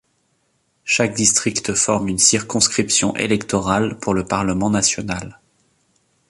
Chaque district forme une circonscription électorale pour le parlement national.